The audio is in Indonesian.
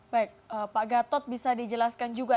baik pak gatot bisa dijelaskan juga